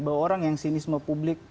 bahwa orang yang sinisme publik